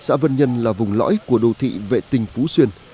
xã vân nhân là vùng lõi của đô thị vệ tinh phú xuyên